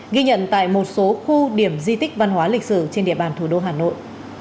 ghi nhận tại một số khu điểm di tích văn hóa lịch sử trên địa bàn thủ đô hà nội